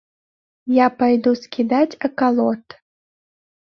Я пайду скідаць акалот.